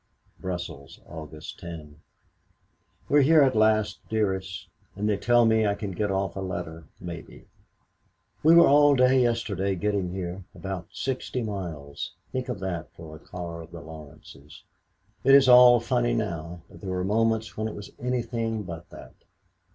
"BRUSSELS, August 10. "We are here at last, dearest, and they tell me I can get off a letter maybe. We were all day yesterday getting here about sixty miles think of that for a car of the Laurences. It is all funny now, but there were moments when it was anything but that.